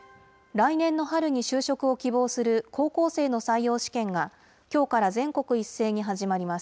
来年の春に就職を希望する高校生の採用試験が、きょうから全国一斉に始まります。